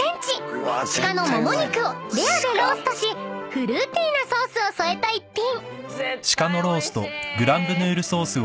鹿のモモ肉をレアでローストしフルーティーなソースを添えた一品］